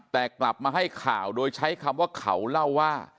แต่กลับมาให้ข่าวโดยใช้คำว่าเขาเล่าว่า